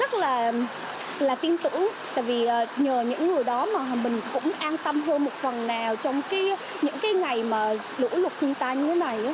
rất là tin tưởng vì nhờ những người đó mà mình cũng an tâm hơn một phần nào trong những ngày lũ lục khung tan như thế này